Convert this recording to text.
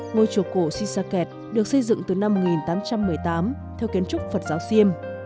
ngôi chùa cổ si sa kẹt được xây dựng từ năm một nghìn tám trăm một mươi tám theo kiến trúc phật giáo xiêm